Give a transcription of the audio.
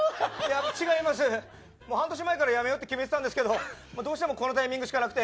違います、半年前から辞めようと決めてたんですけどどうしてもこのタイミングしかなくて。